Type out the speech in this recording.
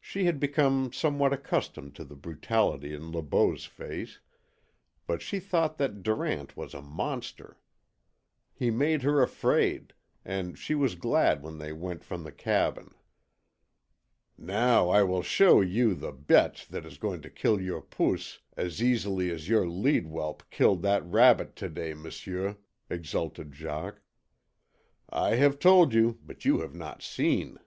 She had become somewhat accustomed to the brutality in Le Beau's face, but she thought that Durant was a monster. He made her afraid, and she was glad when they went from the cabin. "Now I will show you the BETE that is going to kill your POOS as easily as your lead whelp killed that rabbit to day, m'sieu," exulted Jacques. "I have told you but you have not seen!"